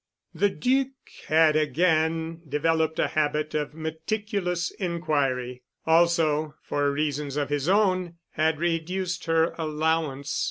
The Duc had again developed a habit of meticulous inquiry; also, for reasons of his own, had reduced her allowance.